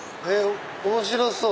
面白そう！